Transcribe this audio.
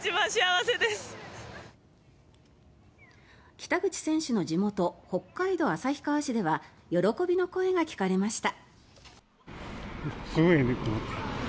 北口選手の地元北海道旭川市では喜びの声が聞かれました。